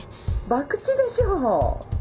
博打でしょう！